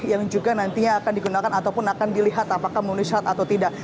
yang juga nantinya akan digunakan ataupun akan dilihat apakah memenuhi syarat atau tidak